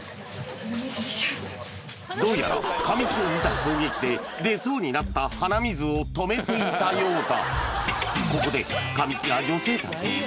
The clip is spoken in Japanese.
どうやら神木を見た衝撃で出そうになった鼻水を止めていたようだ